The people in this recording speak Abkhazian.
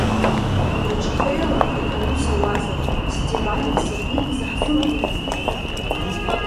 Даҽа хеилакык аус ауазар, Степангьы саргьы изаҳзымдыруеи?